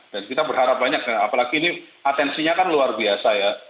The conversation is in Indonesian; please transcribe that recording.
dan kita berharap banyak apalagi ini atensinya kan luar biasa